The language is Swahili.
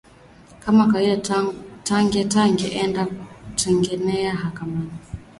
kama kawaida tunge tunge enda kwa tungeenda mahakamani